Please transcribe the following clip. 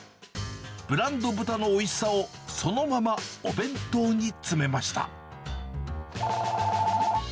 ブランド豚のおいしさをそのままお弁当に詰めました。